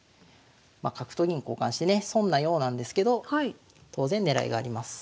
まあ角と銀交換してね損なようなんですけど当然狙いがあります。